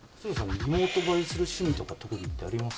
リモート映えする趣味とか特技ってあります？